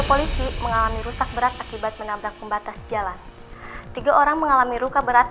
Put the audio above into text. polisi mengalami rusak berat akibat menabrak pembatas jalan tiga orang mengalami luka berat